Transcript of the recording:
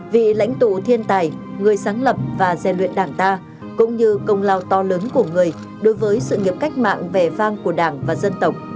vị lãnh tụ thiên tài người sáng lập và gian luyện đảng ta cũng như công lao to lớn của người đối với sự nghiệp cách mạng vẻ vang của đảng và dân tộc